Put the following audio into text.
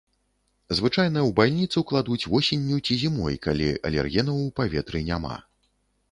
Звычайна ў бальніцу кладуць восенню ці зімой, калі алергенаў у паветры няма.